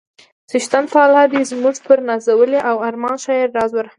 څښتن تعالی دې زموږ پر نازولي او ارماني شاعر راز ورحمیږي